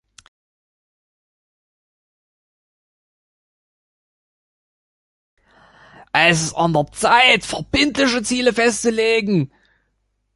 Es ist an der Zeit, verbindliche Ziele festzulegen.